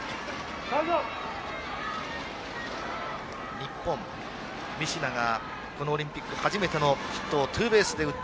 日本、三科がこのオリンピック初めてのヒットをツーベースでヒット